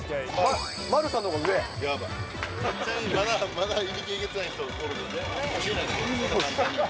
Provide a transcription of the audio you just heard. まだいびきえげつない人おるんですよ。